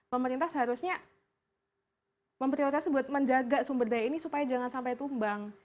pemerintah seharusnya memprioritaskan buat menjaga sumber daya ini supaya jangan sampai tumbang